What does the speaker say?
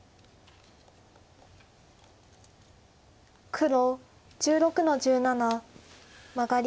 黒１６の十七マガリ。